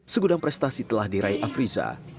segudang prestasi telah diraih afriza